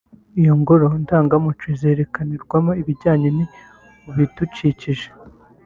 Iyi ngoro ndangamurage izerekanirwamo ibijyanye n’ibidukikije